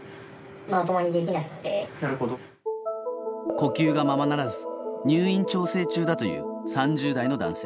呼吸がままならず入院調整中だという３０代の男性。